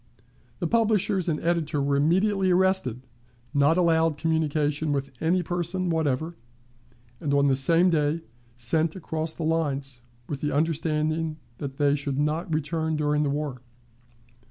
The publishers and editor were immediately arrested, not allowed communication with any person whatever, and on the same day sent across the lines, with the understanding that they should not return during the war.